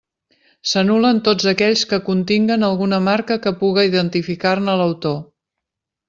S'anul·len tots aquells que continguen alguna marca que puga identificar-ne l'autor.